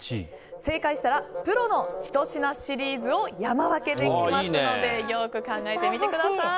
正解したらプロのひと品シリーズを山分けできますのでよく考えてみてください。